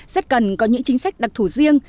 rất cần có những chính sách đặc thủ riêng